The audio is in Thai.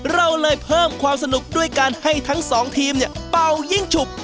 เราเลยเพิ่มความสนุกด้วยการให้ทั้งสองทีมเนี่ยเป่ายิ่งฉุก